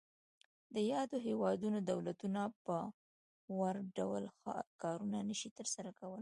د یادو هیوادونو دولتونه په وړ ډول کارونه نشي تر سره کولای.